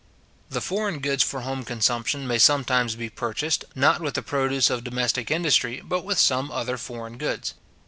The foreign goods for home consumption may sometimes be purchased, not with the produce of domestic industry but with some other foreign goods.